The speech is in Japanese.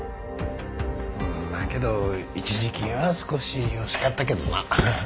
まあけど一時金は少し惜しかったけどな。